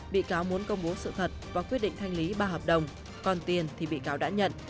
bị cáo muốn công bố sự thật và quyết định thanh lý ba hợp đồng còn tiền thì bị cáo đã nhận